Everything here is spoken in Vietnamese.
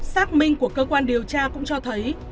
xác minh của cơ quan điều tra cũng cho thấy